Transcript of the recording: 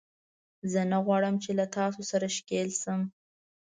زه نه غواړم چې له تاسو سره ښکېل شم